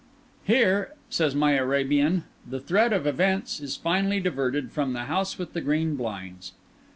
(Here, says my Arabian, the thread of events is finally diverted from The House with the Green Blinds.